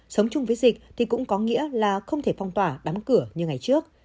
sống chung với dịch thì cũng có nghĩa là không thể phong tỏa đóng cửa như ngày trước